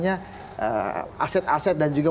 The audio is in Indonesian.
aset aset dan juga